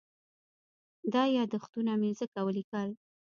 دا یادښتونه مې ځکه ولیکل.